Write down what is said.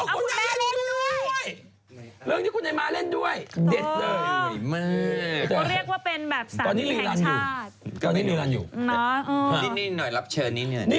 อ๋อเขาเรียกว่าเป็นประสานแห่งชาติ